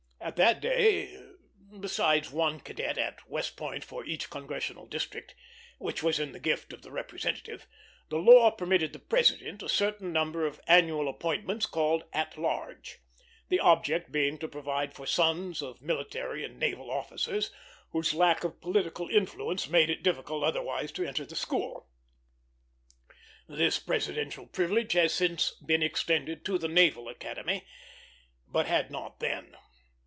At that day, besides one cadet at West Point for each congressional district, which was in the gift of the representative, the law permitted the President a certain number of annual appointments, called "At Large"; the object being to provide for sons of military and naval officers, whose lack of political influence made it difficult otherwise to enter the school. This presidential privilege has since been extended to the Naval Academy, but had not then.